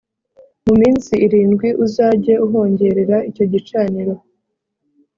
mu minsi irindwi uzajye uhongerera icyo gicaniro